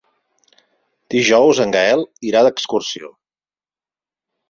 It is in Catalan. Dijous en Gaël irà d'excursió.